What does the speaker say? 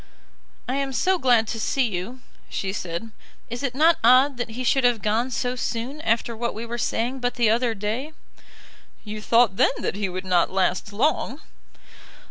"I am so glad to see you," she said. "Is it not odd that he should have gone so soon after what we were saying but the other day?" "You thought then that he would not last long."